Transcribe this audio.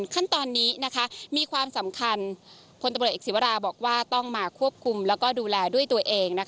ขั้นตอนนี้มีความสำคัญพลตำรวจเอกศิวราบอกว่าต้องมาควบคุมแล้วก็ดูแลด้วยตัวเอง